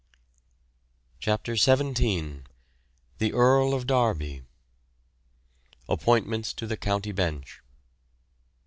CHAPTER XVII. THE EARL OF DERBY. APPOINTMENTS TO THE COUNTY BENCH.